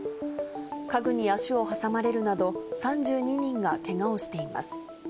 家具に足を挟まれるなど３２人がけがをしています。